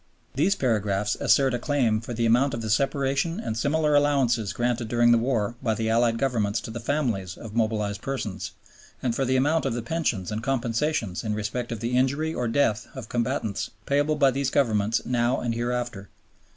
These paragraphs assert a claim for the amount of the Separation and similar Allowances granted during the war by the Allied Governments to the families of mobilized persons, and for the amount of the pensions and compensations in respect of the injury or death of combatants payable by these Governments now and hereafter.